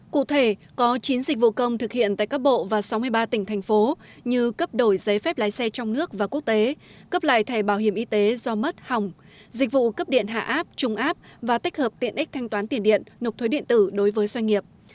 cụ thể có chín dịch vụ công thực hiện tại các bộ và sáu mươi ba tỉnh thành phố như cấp đổi giấy phép lái xe trong nước và quốc tế cấp lại thẻ bảo hiểm y tế do mất hỏng dịch vụ cấp điện hạ áp trung áp và tích hợp tiện ích thanh toán tiền điện nộp thuế điện tử đối với doanh nghiệp